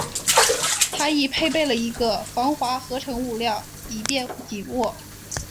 它亦配备了一个防滑合成物料以便紧握。